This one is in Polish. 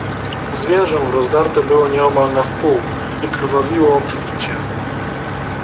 Zwierzę rozdarte było nieomal na wpół i krwawiło obficie.